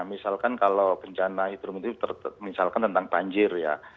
misalkan kalau bencana hidrometeorologis misalkan tentang panjir ya